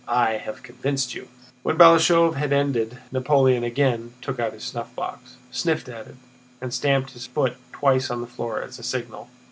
I have convinced you." When Balashëv had ended, Napoleon again took out his snuffbox, sniffed at it, and stamped his foot twice on the floor as a signal.